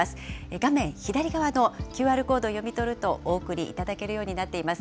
画面左側のＱＲコードを読み取るとお送りいただけるようになっています。